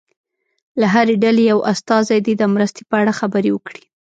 له هرې ډلې یو استازی دې د مرستې په اړه خبرې وکړي.